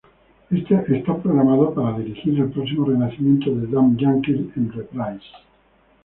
Está programado para dirigir el próximo renacimiento de "Damn Yankees" en Reprise.